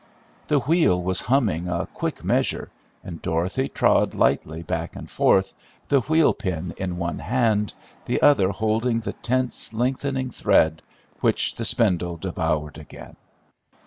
The wheel was humming a quick measure and Dorothy trod lightly back and forth, the wheel pin in one hand, the other holding the tense, lengthening thread, which the spindle devoured again.